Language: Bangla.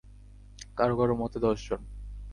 কারো কারো মতে দশজন।